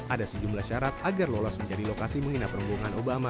ada sejumlah syarat agar lolos menjadi lokasi menginap perunggungan obama